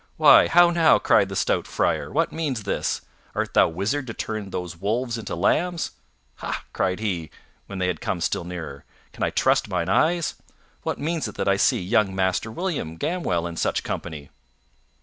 "Why, how now!" cried the stout Friar, "what means this? Art thou wizard to turn those wolves into lambs? Ha!" cried he, when they had come still nearer, "can I trust mine eyes? What means it that I see young Master William Gamwell in such company?"